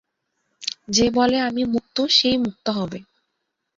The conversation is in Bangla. যে বলে আমি মুক্ত, সেই মুক্ত হবে।